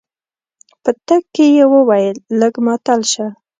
په تګ کې يې وويل لږ ماتل شه.